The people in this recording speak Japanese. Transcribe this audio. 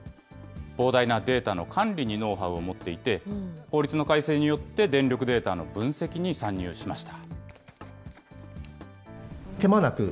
膨大なデータの管理にノウハウを持っていて、法律の改正によって、電力データの分析に参入しました。